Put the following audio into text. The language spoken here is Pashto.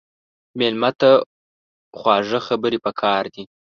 مېلمه ته خواږه خبرې پکار دي.